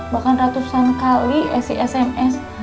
bahkan ratusan kali si sms